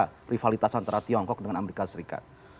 ada privalitas antara tiongkok dengan amerika serikat